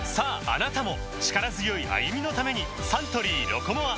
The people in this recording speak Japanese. あなたも力強い歩みのためにサントリー「ロコモア」